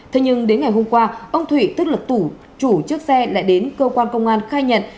thế nhưng đến ngày hôm qua ông thủy tức là chủ chiếc xe lại đến cơ quan công an khai nhận